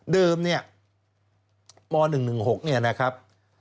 เดิมเนี่ยม๑๑๖เนี่ยนะครับ